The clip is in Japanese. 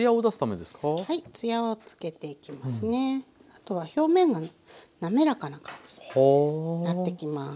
あとは表面が滑らかな感じなってきます。